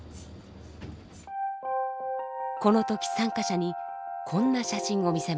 この時参加者にこんな写真を見せました。